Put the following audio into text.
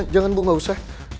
jangan bu gak usah